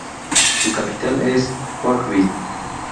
Su capital es Oakville.